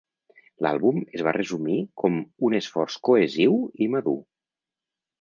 L'àlbum es va resumir com "un esforç cohesiu i madur".